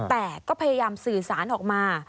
แต่ก็พยายามสื่อสารออกมา